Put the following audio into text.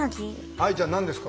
愛ちゃん何ですか？